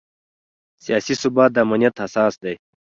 سیاسي ثبات د امنیت اساس دی